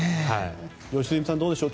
良純さん、どうでしょう